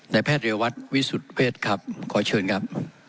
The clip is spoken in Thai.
นายแพทย์เรียววัฒน์วิสุทธิ์เวสครับขอเชิญครับ